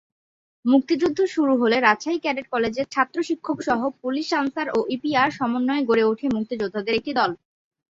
মুক্তিযুদ্ধ শুরু হলে রাজশাহী ক্যাডেট কলেজের ছাত্র-শিক্ষকসহ পুলিশ-আনসার ও ইপিআর সমন্বয়ে গড়ে ওঠে মুক্তিযোদ্ধাদের একটি দল।